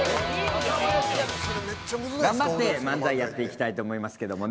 頑張って、漫才やっていきたいと思いますけどもね。